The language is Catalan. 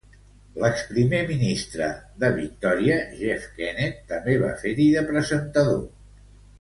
L'ex Primer Ministre de Victòria Jeff Kennett també va fer-hi de presentador.